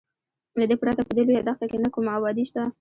له دې پرته په دې لویه دښته کې نه کومه ابادي شته.